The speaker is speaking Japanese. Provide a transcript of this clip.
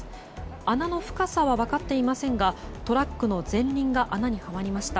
穴の深さは分かっていませんがトラックの前輪が穴にはまりました。